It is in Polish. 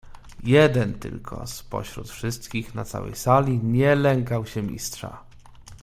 "Jeden tylko z pośród wszystkich na całej sali nie lękał się Mistrza."